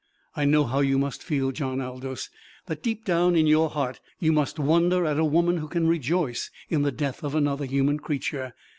I know how you must feel, John Aldous that deep down in your heart you must wonder at a woman who can rejoice in the death of another human creature.